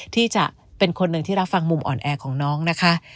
ที่จะเป็นคนหนึ่งที่รับฟังมุมอ่อนแอของน้องนะคะ